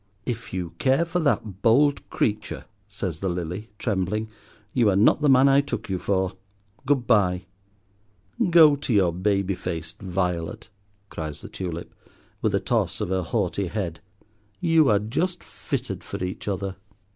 "If you care for that bold creature," says the Lily, trembling, "you are not the man I took you for. Good bye." "Go to your baby faced Violet," cries the Tulip, with a toss of her haughty head. "You are just fitted for each other."